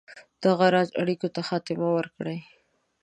دغه راز اړېکو ته خاتمه ورکړي.